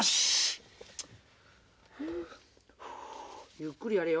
ゆっくりやれよ。